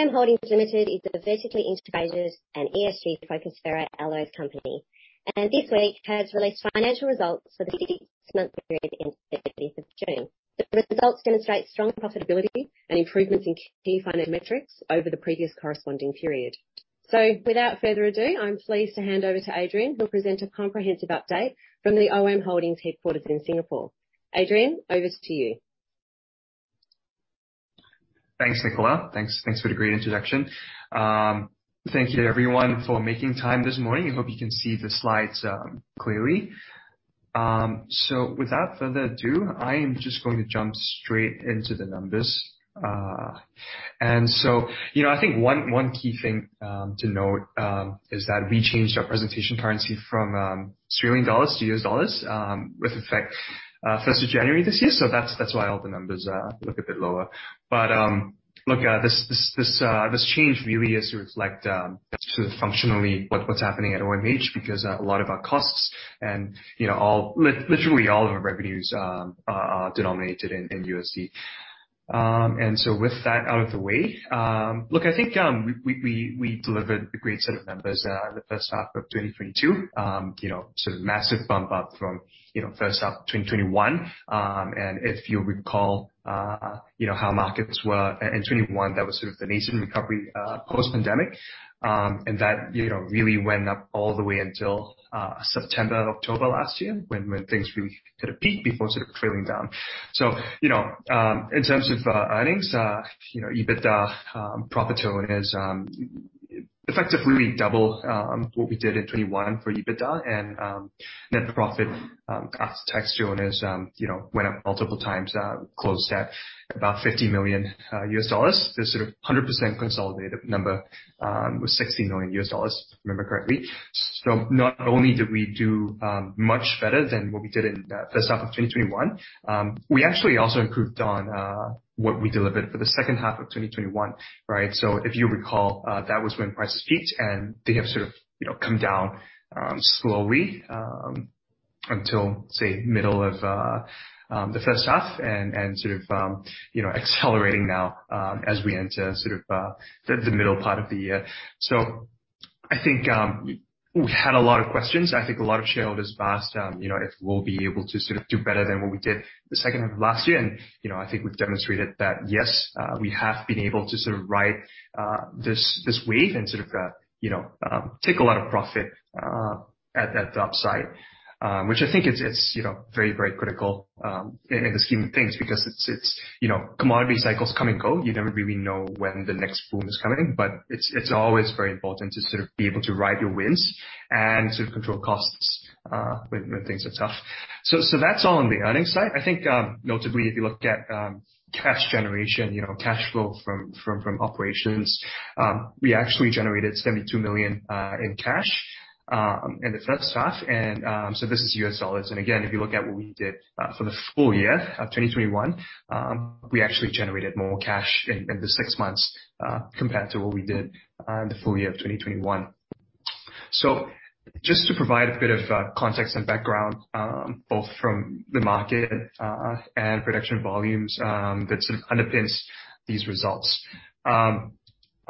OM Holdings Limited is a vertically integrated and ESG-focused ferroalloy company, and this week has released financial results for the six-month period ending 30th June. The results demonstrate strong profitability and improvements in key financial metrics over the previous corresponding period. Without further ado, I'm pleased to hand over to Adrian, who'll present a comprehensive update from the OM Holdings headquarters in Singapore. Adrian, over to you. Thanks, Nicola. Thanks for the great introduction. Thank you everyone for making time this morning. I hope you can see the slides clearly. Without further ado, I am just going to jump straight into the numbers. You know, I think one key thing to note is that we changed our presentation currency from Singapore dollars to US dollars with effect first of January this year. That's why all the numbers look a bit lower. Look, this change really is to reflect sort of functionally what's happening at OMH because a lot of our costs and, you know, literally all of our revenues are denominated in USD. With that out of the way, look, I think we delivered a great set of numbers in the first half of 2022. You know, sort of massive bump up from, you know, first half of 2021. If you recall, you know, how markets were in 2021, that was sort of the nascent recovery post-pandemic. That, you know, really went up all the way until September, October last year when things really hit a peak before sort of trailing down. You know, in terms of earnings, you know, EBITDA, profit to owners, effectively really double what we did in 2021 for EBITDA and net profit after tax to owners, you know, went up multiple times, closed at about $50 million. The sort of 100% consolidated number was $60 million, if I remember correctly. Not only did we do much better than what we did in the first half of 2021, we actually also improved on what we delivered for the second half of 2021, right? If you recall, that was when prices peaked, and they have sort of, you know, come down slowly until say, middle of the first half and sort of, you know, accelerating now as we enter sort of the middle part of the year. I think we had a lot of questions. I think a lot of shareholders asked, you know, if we'll be able to sort of do better than what we did the second half of last year. You know, I think we've demonstrated that, yes, we have been able to sort of ride this wave and sort of, you know, take a lot of profit at the upside. Which I think it's very, very critical in the scheme of things because it's you know, commodity cycles come and go. You never really know when the next boom is coming, but it's always very important to sort of be able to ride your wins and sort of control costs when things are tough. That's all on the earnings side. I think, notably, if you look at cash generation, you know, cash flow from operations, we actually generated $72 million in cash in the first half. This is US dollars. If you look at what we did for the full year of 2021, we actually generated more cash in the six months compared to what we did in the full year of 2021. Just to provide a bit of context and background, both from the market and production volumes, that sort of underpins these results.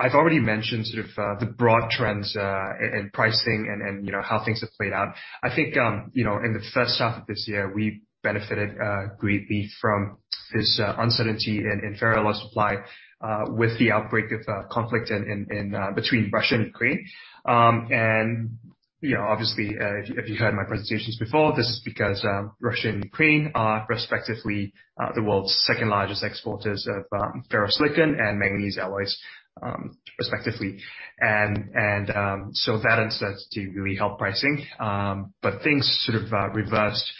I've already mentioned sort of the broad trends and pricing and, you know, how things have played out. I think, you know, in the first half of this year, we benefited greatly from this uncertainty in ferroalloy supply with the outbreak of conflict between Russia and Ukraine. You know, obviously, if you've heard my presentations before, this is because Russia and Ukraine are respectively the world's second largest exporters of ferrosilicon and manganese alloys, respectively. That uncertainty really helped pricing. Things sort of reversed.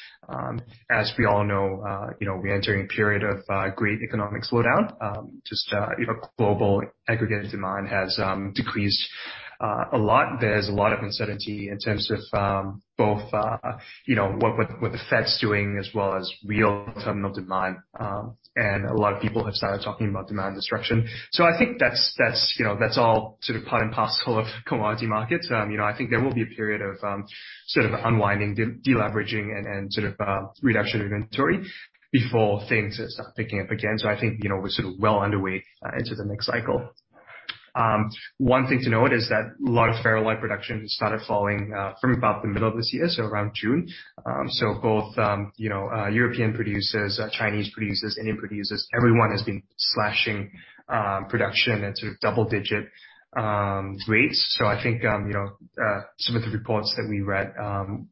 As we all know, you know, we entering a period of great economic slowdown. Just you know global aggregated demand has decreased a lot. There's a lot of uncertainty in terms of both you know what the Fed's doing as well as real terminal demand. A lot of people have started talking about demand destruction. I think that's you know that's all sort of part and parcel of commodity markets. You know, I think there will be a period of sort of unwinding, deleveraging and sort of reduction in inventory before things start picking up again. I think, you know, we're sort of well underway into the next cycle. One thing to note is that large ferroalloy production started falling from about the middle of this year, so around June. Both, you know, European producers, Chinese producers, Indian producers, everyone has been slashing production at sort of double-digit rates. I think, you know, some of the reports that we read,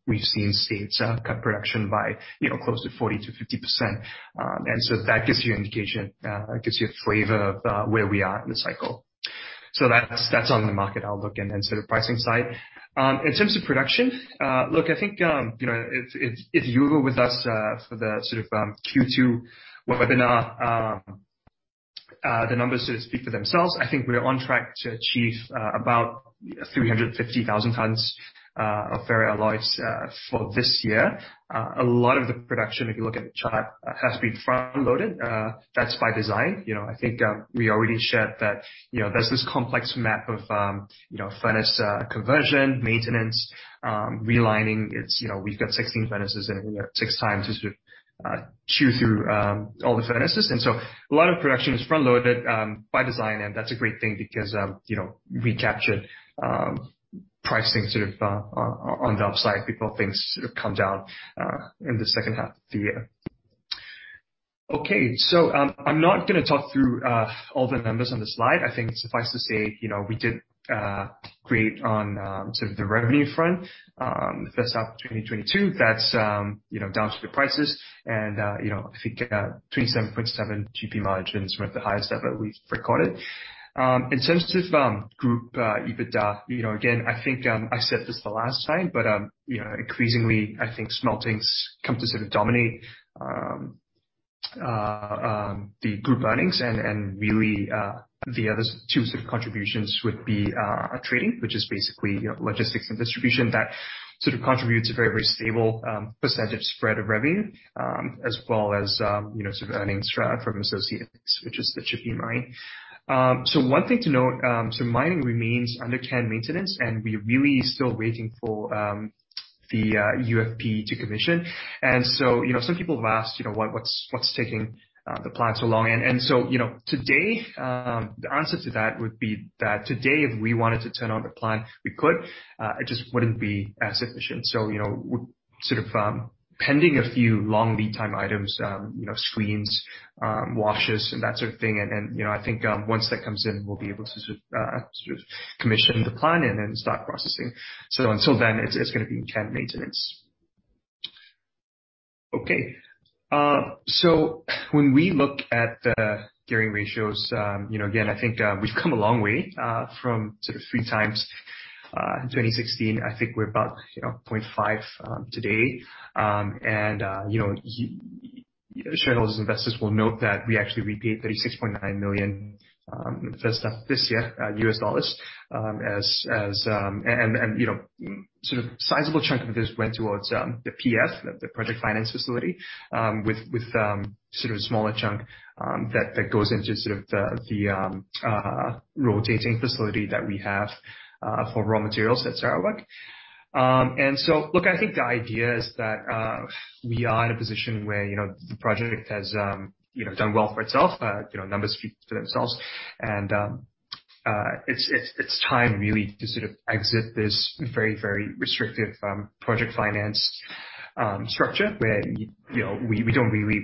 we've seen states cut production by, you know, close to 40%-50%. That gives you a flavor of where we are in the cycle. That's on the market outlook and sort of pricing side. In terms of production, look, I think, you know, if you were with us for the sort of Q2 webinar, the numbers sort of speak for themselves. I think we're on track to achieve about 350,000 tons of ferroalloys for this year. A lot of the production, if you look at the chart, has been front-loaded. That's by design. You know, I think, we already shared that, you know, there's this complex map of, you know, furnace, conversion, maintenance, realigning. It's, you know, we've got 16 furnaces and we have six times to sort of chew through all the furnaces. A lot of production is front-loaded, by design, and that's a great thing because, you know, we captured pricing sort of on the upside before things sort of come down in the second half of the year. Okay. I'm not gonna talk through all the numbers on the slide. I think suffice to say, you know, we did great on sort of the revenue front. First half of 2022, that's, you know, down to the prices and, you know, I think 27.7% GP margin is one of the highest ever we've recorded. In terms of group EBITDA, you know, again, I think I said this the last time, but, you know, increasingly, I think smelting's come to sort of dominate the group earnings. Really, the other two sort of contributions would be trading, which is basically, you know, logistics and distribution that sort of contributes a very stable percentage spread of revenue, as well as, you know, sort of earnings from associates, which is the Tshipi Mine. One thing to note, mining remains under planned maintenance, and we're really still waiting for the UFP to commission. You know, some people have asked, you know, what's taking the plant so long. You know, today, the answer to that would be that today if we wanted to turn on the plant, we could, it just wouldn't be as efficient. You know, we're sort of pending a few long lead time items, you know, screens, washes and that sort of thing. You know, I think once that comes in, we'll be able to sort of commission the plant and then start processing. Until then, it's gonna be in planned maintenance. Okay. When we look at the gearing ratios, you know, again, I think we've come a long way from sort of 3x in 2016. I think we're about, you know, 0.5 today. You know, our shareholders, investors will note that we actually repaid $36.9 million first half of this year, US dollars, as. You know, sort of sizable chunk of this went towards the PF, the project finance facility, with sort of a smaller chunk that goes into sort of the revolving facility that we have for raw materials at Sarawak. Look, I think the idea is that we are in a position where, you know, the project has, you know, done well for itself. You know, numbers speak for themselves. It's time really to sort of exit this very, very restrictive project finance structure where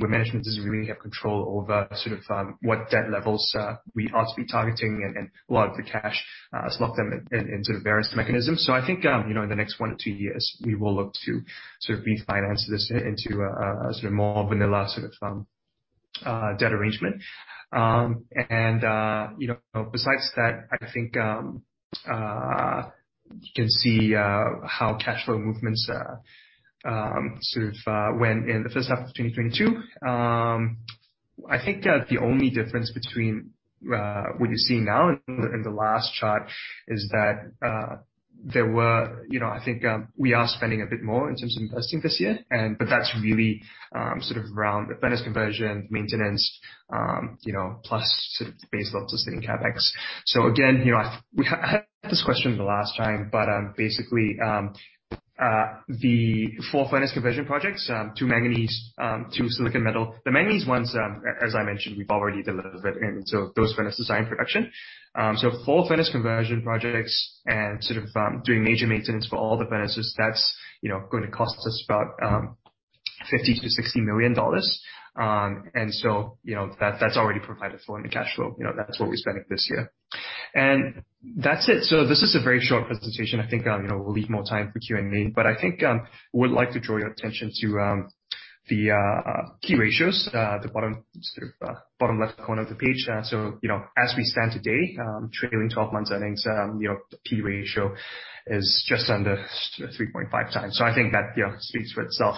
management doesn't really have control over sort of what debt levels we ought to be targeting and a lot of the cash is locked in in sort of various mechanisms. I think you know in the next one to two years we will look to sort of refinance this into a sort of more vanilla sort of debt arrangement. You know besides that I think you can see how cash flow movements sort of went in the first half of 2022. I think the only difference between what you're seeing now and the last chart is that there were. You know I think we are spending a bit more in terms of investing this year but that's really sort of around furnace conversion maintenance you know plus sort of base level of distinct CapEx. Again, you know, we had this question the last time, but basically, the four furnace conversion projects, two manganese, two silicon metal. The manganese ones, as I mentioned, we've already delivered, and so those furnaces are in production. Four furnace conversion projects and sort of doing major maintenance for all the furnaces, that's, you know, going to cost us about 50 million-60 million dollars. You know, that's already provided for in the cash flow. You know, that's what we spent this year. That's it. This is a very short presentation. I think, you know, we'll leave more time for Q&A. I think would like to draw your attention to the key ratios, the bottom, sort of bottom left corner of the page. You know, as we stand today, trailing twelve months earnings, you know, the key ratio is just under 3.5x. I think that you know speaks for itself.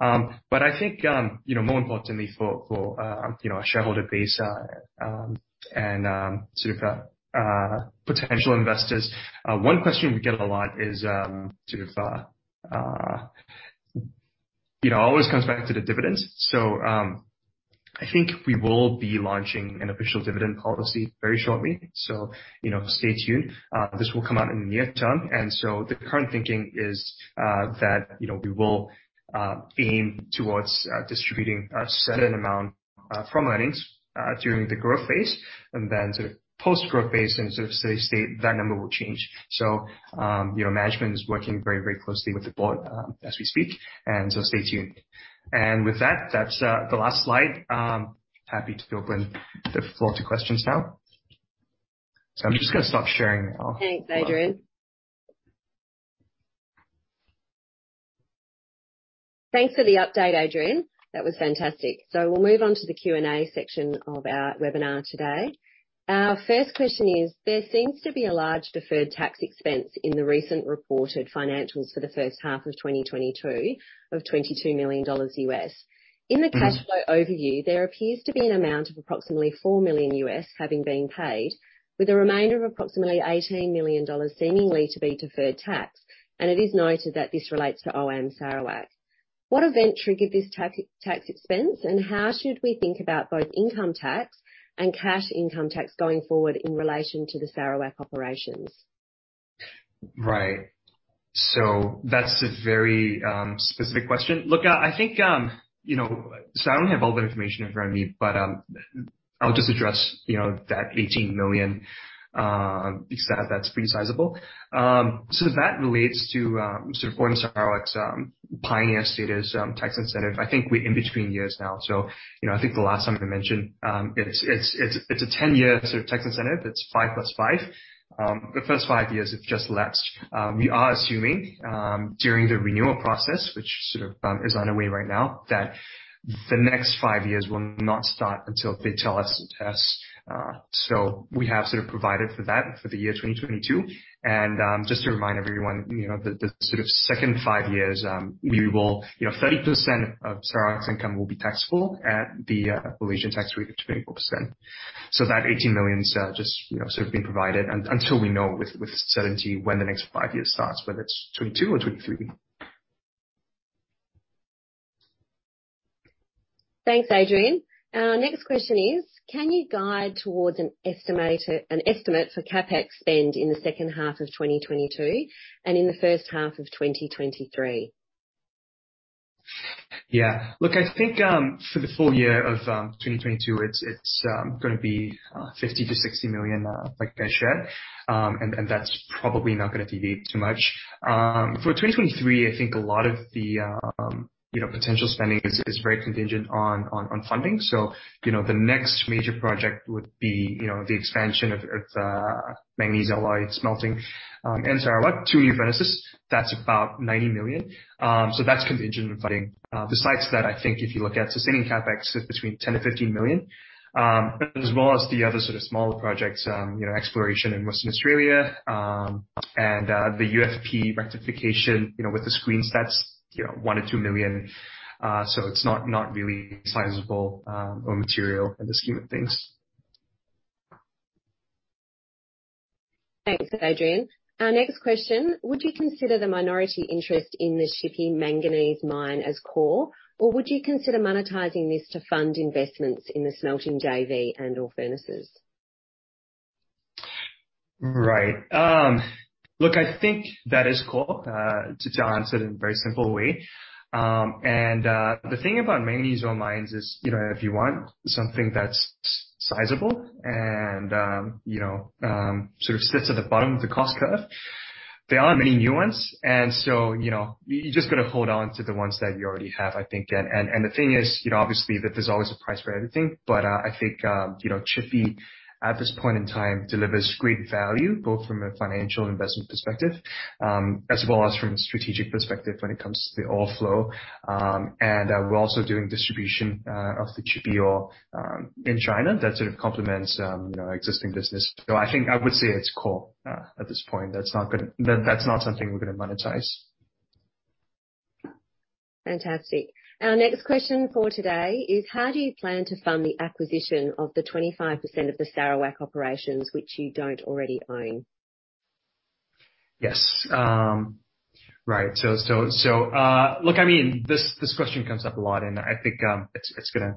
I think you know more importantly for you know our shareholder base and sort of you know always comes back to the dividends. I think we will be launching an official dividend policy very shortly. You know, stay tuned. This will come out in the near term. The current thinking is that you know we will aim towards distributing a certain amount from earnings during the growth phase and then sort of post-growth phase and sort of steady state, that number will change. You know management is working very, very closely with the board as we speak, and so stay tuned. With that's the last slide. Happy to open the floor to questions now. I'm just gonna stop sharing. Thanks, Adrian. Thanks for the update, Adrian. That was fantastic. We'll move on to the Q&A section of our webinar today. Our first question is, there seems to be a large deferred tax expense in the recent reported financials for the first half of 2022 of $22 million. In the cash flow overview, there appears to be an amount of approximately $4 million having been paid with a remainder of approximately $18 million seemingly to be deferred tax. It is noted that this relates to OM Sarawak. What event triggered this tax expense, and how should we think about both income tax and cash income tax going forward in relation to the Sarawak operations? Right. That's a very specific question. Look, I think you know. I don't have all the information in front of me, but I'll just address you know that 18 million because that's pretty sizable. That relates to sort of points out Pioneer Status tax incentive. I think we're in between years now, so you know I think the last time we mentioned it's a 10-year sort of tax incentive. It's five plus five. The first five years have just lapsed. We are assuming during the renewal process which sort of is on the way right now that the next five years will not start until they tell us it has. We have sort of provided for that for the year 2022. Just to remind everyone, you know, the sort of second five years. You know, 30% of Sarawak's income will be taxable at the Malaysian tax rate of 24%. That $18 million just, you know, sort of being provided until we know with certainty when the next five years starts, whether it's 2022 or 2023. Thanks, Adrian. Our next question is, can you guide towards an estimate for CapEx spend in the second half of 2022 and in the first half of 2023? Yeah. Look, I think for the full year of 2022, it's gonna be 50 million-60 million, like I shared. That's probably not gonna deviate too much. For 2023, I think a lot of the, you know, potential spending is very contingent on funding. The next major project would be, you know, the expansion of our manganese alloy smelting in Sarawak, two new furnaces. That's about 90 million. That's contingent on funding. Besides that, I think if you look at sustaining CapEx is between 10 million-15 million, as well as the other sort of smaller projects, you know, exploration in Western Australia, and the UFP rectification, you know, with the screen steps, you know, 1 million-2 million. It's not really sizable or material in the scheme of things. Thanks, Adrian. Our next question: Would you consider the minority interest in the Tshipi Borwa Manganese Mine as core, or would you consider monetizing this to fund investments in the smelting JV and/or furnaces? Right. Look, I think that is core to answer it in a very simple way. The thing about manganese ore mines is, you know, if you want something that's sizable and, you know, sort of sits at the bottom of the cost curve, there aren't many new ones. You know, you just gotta hold on to the ones that you already have, I think. The thing is, you know, obviously that there's always a price for everything, but, I think, you know, Tshipi, at this point in time, delivers great value, both from a financial investment perspective, as well as from a strategic perspective when it comes to the ore flow. We're also doing distribution of the Tshipi ore in China. That sort of complements our existing business. I think I would say it's core at this point. That's not something we're gonna monetize. Fantastic. Our next question for today is: How do you plan to fund the acquisition of the 25% of the Sarawak operations which you don't already own? Yes. Right. Look, I mean, this question comes up a lot, and I think it's gonna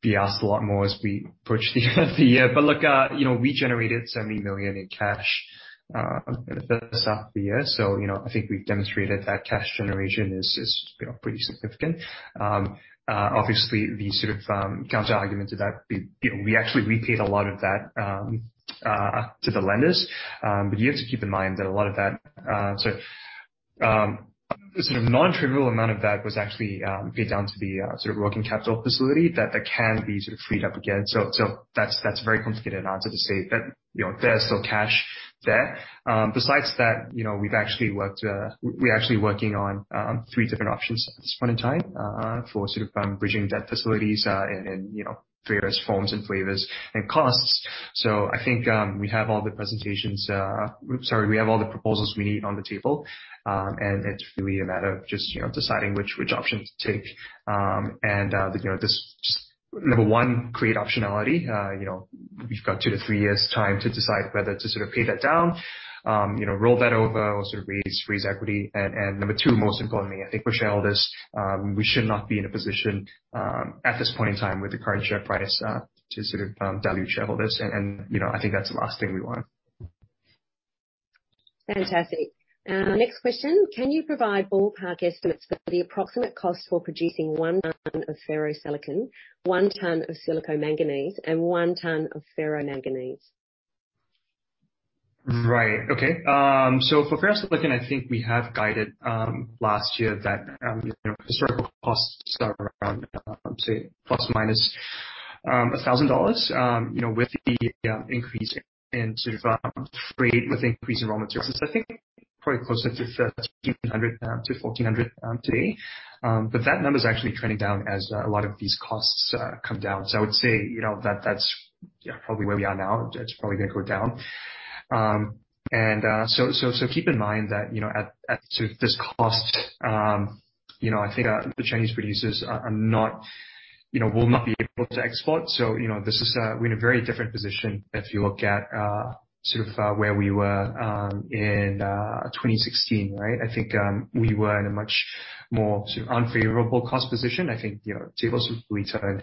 be asked a lot more as we approach the end of the year. Look, you know, we generated 70 million in cash in the first half of the year, so you know, I think we've demonstrated that cash generation is you know pretty significant. Obviously the sort of counterargument to that, you know, we actually repaid a lot of that to the lenders. You have to keep in mind that a lot of that, so the sort of non-trivial amount of that was actually paid down to the sort of working capital facility that can be sort of freed up again. That's a very complicated answer to say. You know, there's still cash there. Besides that, you know, we're actually working on three different options at this point in time for sort of bridging debt facilities and you know various forms and flavors and costs. I think, sorry, we have all the proposals we need on the table and it's really a matter of just you know deciding which option to take. You know, this just number one create optionality. You know, we've got two-three years' time to decide whether to sort of pay that down you know roll that over or sort of raise equity. Number two, most importantly, I think for shareholders, we should not be in a position at this point in time with the current share price to sort of dilute shareholders and you know, I think that's the last thing we want. Fantastic. Next question: Can you provide ballpark estimates for the approximate cost for producing one ton of ferrosilicon, one ton of silicomanganese, and one ton of ferromanganese? Right. Okay. For ferrosilicon, I think we have guided last year that you know historical costs start around say ±$1,000 you know with the increase in sort of freight with increased raw materials. I think probably closer to $1,300-$1,400 today. That number is actually trending down as a lot of these costs come down. I would say you know that that's probably where we are now. It's probably gonna go down. Keep in mind that, you know, at this cost, you know, I think the Chinese producers are not, you know, will not be able to export, so, you know, this is we're in a very different position if you look at, sort of, where we were in 2016, right? I think we were in a much more sort of unfavorable cost position. I think, you know, the tables will turn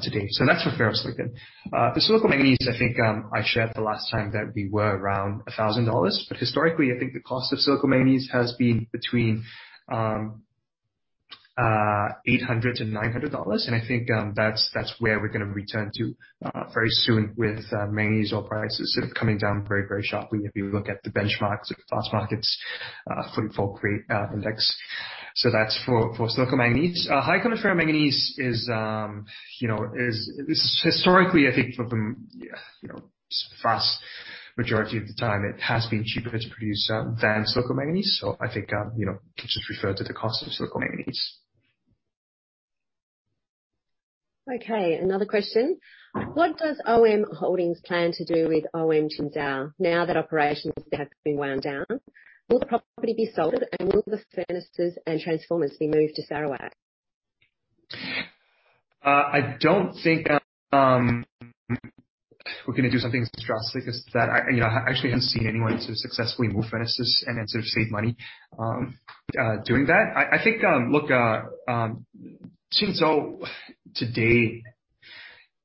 today. That's for ferrosilicon. For silicomanganese, I think I shared the last time that we were around $1,000. Historically, I think the cost of silicomanganese has been between $800-$900. I think that's where we're gonna return to very soon with manganese ore prices sort of coming down very, very sharply if you look at the benchmarks of the spot markets for the full freight index. That's for silicomanganese. High-quality ferromanganese is, you know, historically I think of them, you know, vast majority of the time it has been cheaper to produce than silicomanganese. I think you just refer to the cost of silicomanganese. Okay, another question. What does OM Holdings plan to do with OM Qinzhou now that operations have been wound down? Will the property be sold, and will the furnaces and transformers be moved to Sarawak? I don't think we're gonna do something as drastic as that. You know, I actually haven't seen anyone sort of successfully move furnaces and then sort of save money doing that. Let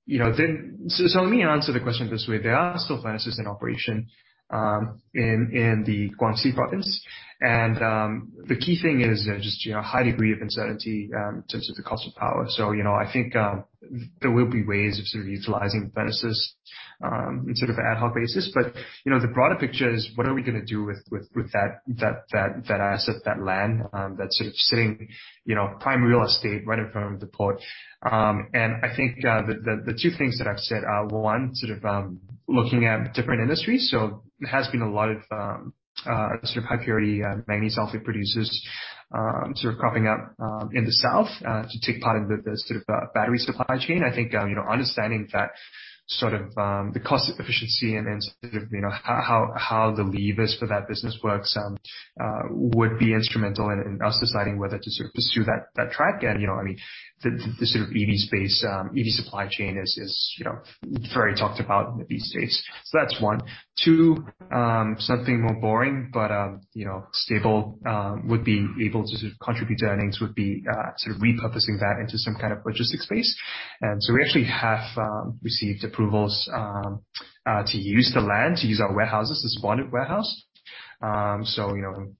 me answer the question this way. There are still furnaces in operation in the Guangxi province. The key thing is just, you know, high degree of uncertainty in terms of the cost of power. You know, I think there will be ways of sort of utilizing furnaces in sort of ad hoc basis. You know, the broader picture is what are we gonna do with that asset, that land, that's sort of sitting, you know, prime real estate right in front of the port. I think the two things that I've said are, one, sort of looking at different industries. There has been a lot of sort of high purity manganese sulfur producers sort of cropping up in the south to take part in the sort of battery supply chain. I think you know understanding that sort of the cost efficiency and sort of you know how the levers for that business works would be instrumental in us deciding whether to sort of pursue that track. You know, I mean, the sort of EV space, EV supply chain is you know, very talked about in the EV space. So that's one. Two, something more boring, but you know, stable, would be able to contribute to earnings, sort of repurposing that into some kind of logistics space. We actually have received approvals to use the land, to use our warehouses, the bonded warehouse. So, you know,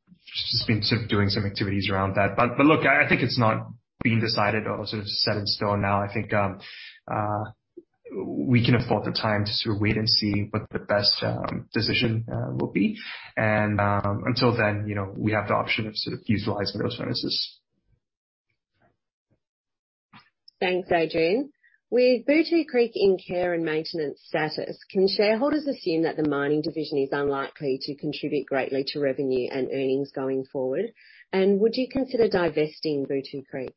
just been sort of doing some activities around that. But look, I think it's not been decided or sort of set in stone now. I think we can afford the time to sort of wait and see what the best decision will be. Until then, you know, we have the option of sort of utilizing those furnaces. Thanks, Adrian. With Bootu Creek in care and maintenance status, can shareholders assume that the mining division is unlikely to contribute greatly to revenue and earnings going forward? Would you consider divesting Bootu Creek?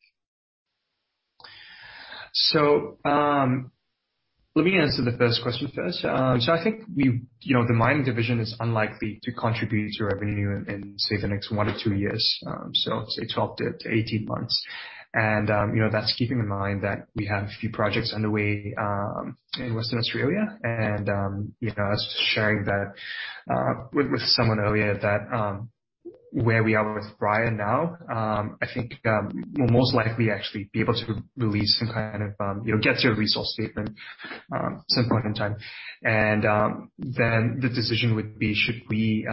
Let me answer the first question first. I think you know, the mining division is unlikely to contribute to revenue in say, the next one to two years, so say 12-18 months. You know, that's keeping in mind that we have a few projects underway in Western Australia. You know, I was sharing that with someone earlier that where we are with Bryah now, I think we'll most likely actually be able to release some kind of you know, get to a resource statement some point in time. Then the decision would be should we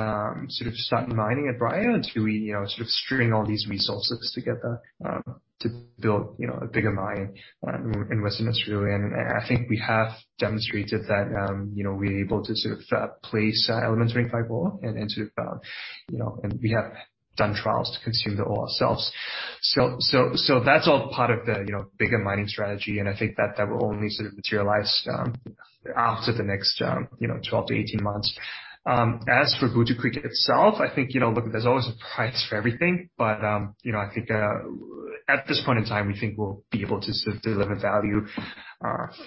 sort of start mining at Bryah? Do we you know, sort of string all these resources together to build you know, a bigger mine in Western Australia? I think we have demonstrated that, you know, we're able to sort of place elements in pipe ore and sort of, you know, and we have done trials to consume the ore ourselves. That's all part of the, you know, bigger mining strategy. I think that will only sort of materialize after the next, you know, 12-18 months. As for Bootu Creek itself, I think, you know, look, there's always a price for everything, but, you know, I think at this point in time, we think we'll be able to sort of deliver value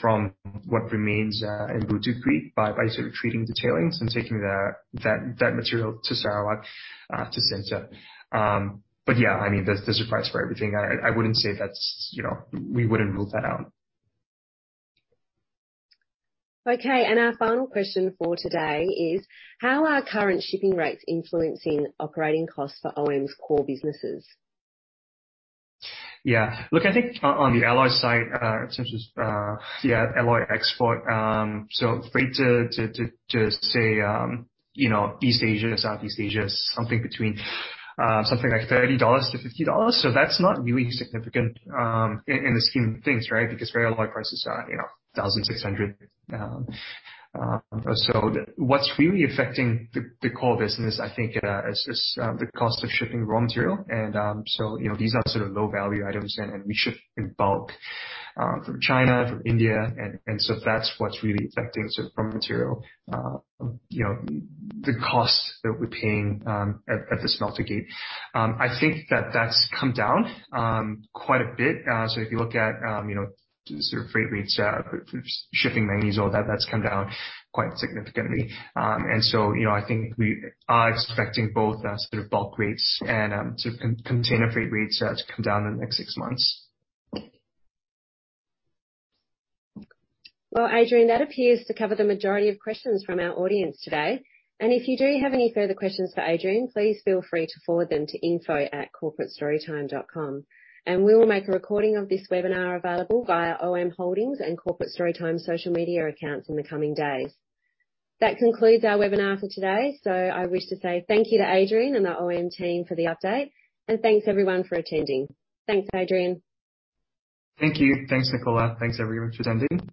from what remains in Bootu Creek by sort of treating the tailings and taking that material to Sarawak to smelter. Yeah, I mean, there's a price for everything. I wouldn't say that's, you know, we wouldn't rule that out. Okay. Our final question for today is: How are current shipping rates influencing operating costs for OM's core businesses? Yeah. Look, I think on the alloy side, such as, yeah, alloy export, so freight to say, you know, East Asia, Southeast Asia, something between, something like 30-50 dollars. That's not really significant, in the scheme of things, right? Because our alloy prices are, you know, 1,600. What's really affecting the core business, I think, is the cost of shipping raw material. You know, these are sort of low-value items, and we ship in bulk, from China, from India. That's what's really affecting sort of raw material, you know, the costs that we're paying, at the smelter gate. I think that's come down quite a bit. If you look at, you know, the sort of freight rates for shipping manganese, all that's come down quite significantly. You know, I think we are expecting both, sort of bulk rates and, sort of container freight rates, to come down in the next six months. Well, Adrian, that appears to cover the majority of questions from our audience today. If you do have any further questions for Adrian, please feel free to forward them to info@corporatestorytime.com. We will make a recording of this webinar available via OM Holdings and Corporate Storytime social media accounts in the coming days. That concludes our webinar for today. I wish to say thank you to Adrian and the OM team for the update. Thanks everyone for attending. Thanks, Adrian. Thank you. Thanks, Nicola. Thanks everyone for attending.